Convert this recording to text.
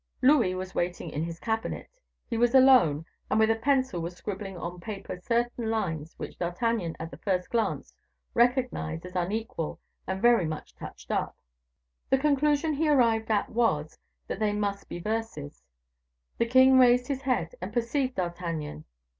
Louis was waiting in his cabinet; he was alone, and with a pencil was scribbling on paper certain lines which D'Artagnan at the first glance recognized as unequal and very much touched up. The conclusion he arrived at was, that they must be verses. The king raised his head and perceived D'Artagnan.